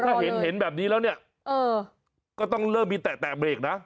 ถ้าเห็นเห็นแบบนี้แล้วเนี่ยก็ต้องเริ่มมีแตะเบรกนะ